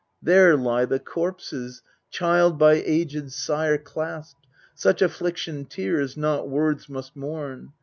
There lie the corpses, child by aged sire Clasped such affliction tears, not words, must mourn.